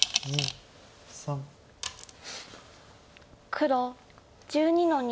黒１２の二。